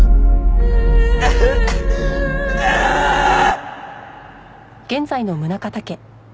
ああーっ！